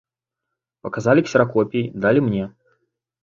Паказалі ксеракопіі, далі мне.